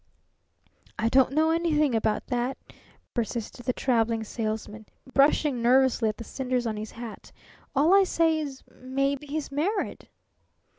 "I don't know anything about that," persisted the Traveling Salesman, brushing nervously at the cinders on his hat. "All I say is maybe he's married."